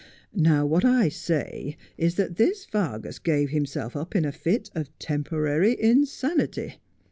Now what I say is that this Vargas gave himself up in a fit of temporary insanity.